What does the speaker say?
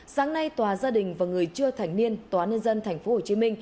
sáng nay tòa gia đình và người chưa thành niên tòa nhân dân tp hcm